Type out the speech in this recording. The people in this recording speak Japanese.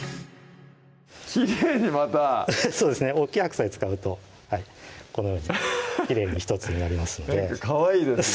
きれいにまたそうですね大きい白菜使うとこのようにきれいに１つになりますのでかわいいですね